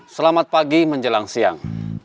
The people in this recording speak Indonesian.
selamat pagi menjelang siang